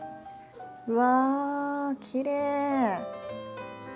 うわきれい！